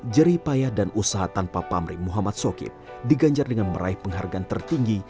jerih payah dan usaha tanpa pamri muhammad sokib diganjar dengan meraih penghargaan tertinggi